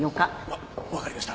わ分かりました。